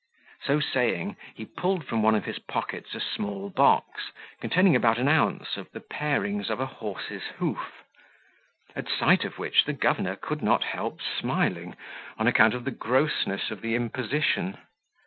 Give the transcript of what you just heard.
So saying, he pulled from one of his pockets a small box, containing about an ounce of the parings of a horse's hoof; at sight of which the governor could not help smiling, on account of the grossness of the imposition.